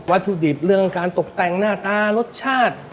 ถุดิบเรื่องการตกแต่งหน้าตารสชาติ